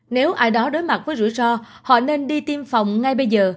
nếu ai đó đối mặt với rủi ro họ nên đi tiêm phòng ngay bây giờ